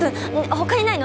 他にないの？